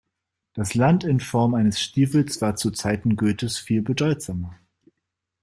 Das Land in Form eines Stiefels war zu Zeiten Goethes viel bedeutsamer.